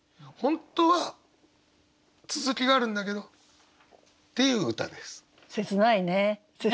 本当は続きがあるんだけどっていう歌です。